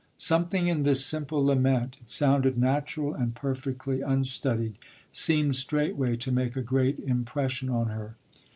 Something in this simple lament it sounded natural and perfectly unstudied seemed straightway to make a great impression on her.